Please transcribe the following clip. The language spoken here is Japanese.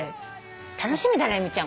楽しみだね由美ちゃん